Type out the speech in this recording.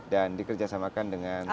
dan dikerjasamakan dengan